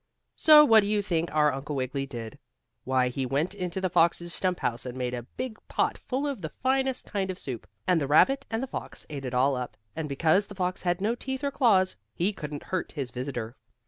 So what do you think our Uncle Wiggily did? Why, he went into the fox's stump house and made a big pot full of the finest kind of soup, and the rabbit and the fox ate it all up, and, because the fox had no teeth or claws, he couldn't hurt his visitor.